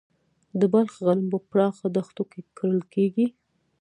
د بلخ غنم په پراخه دښتو کې کرل کیږي.